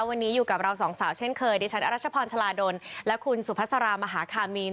วันนี้อยู่กับเราสองสาวเช่นเคยดิฉันอรัชพรชลาดลและคุณสุภาษารามหาคามีน